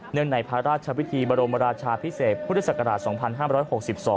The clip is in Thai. ในพระราชพิธีบรมราชาพิเศษพุทธศักราช๒๕๖๒